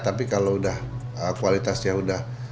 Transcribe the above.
tapi kalau udah kualitasnya udah